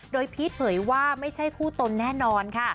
โดยพีชเผยว่าไม่ใช่คู่ตนแน่นอนค่ะ